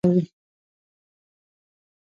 دولت د ملګرو ملتونو د منشورو رعایت کوي.